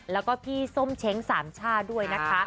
แล้วก็พี่ส้มเช้งสามช่าด้วยนะคะ